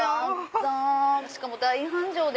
しかも大繁盛で。